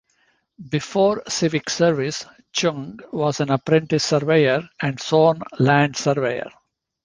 Before civic service, Chung was an apprentice surveyor and sworn land surveyor.